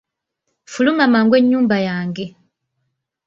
Fuluma mangu ennyumba yange!